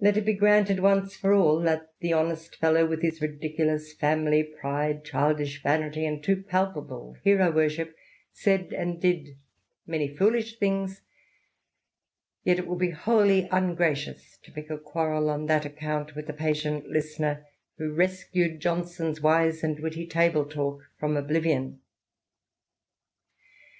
Let it be granted once for all that the honest fellow, with his ridiculous family pride, childish vanity, and too palpable hero worship, said and did many foolish things ; yet it would be wholly ungracious to pick a quarrel on that account with the patient listener who rescued Johnson's wise and witty table talk from oblivion.